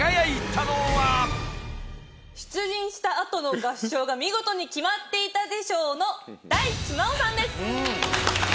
出陣した後の合唱が見事に決まっていたで賞の大地真央さんです。